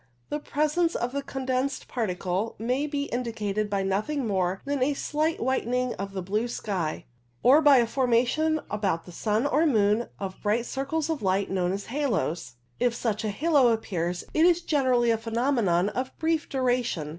The presence of the condensed particles may be indi cated by nothing more than a slight whitening of the blue sky, or by the formation about the sun or moon of bright circles of light known as halos. If such a halo appears, it is generally a phenomenon of brief duration.